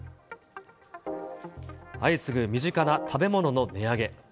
相次ぐ身近な食べ物の値上げ。